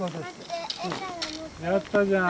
やったじゃん。